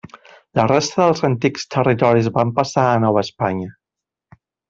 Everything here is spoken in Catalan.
La resta dels antics territoris van passar a Nova Espanya.